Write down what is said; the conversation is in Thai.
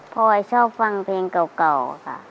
พอยชอบฟังเพลงเก่าค่ะ